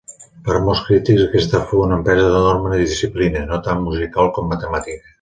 Per a molts crítics, aquest fou una empresa d'enorme disciplina, no tant musical com matemàtica.